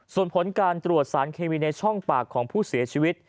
ส่วนผลการตรวจสารเคมีในช่องปากของผู้เสียชีวิต